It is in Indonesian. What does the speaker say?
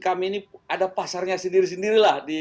kami ini ada pasarnya sendiri sendiri lah